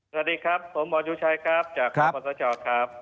สวัสดีครับผมหมอดูชัยครับจากคอปสชครับ